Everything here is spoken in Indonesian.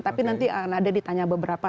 tapi nanti nada ditanya beberapa